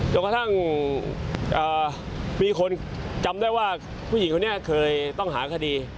กระทั่งมีคนจำได้ว่าผู้หญิงคนนี้เคยต้องหาคดี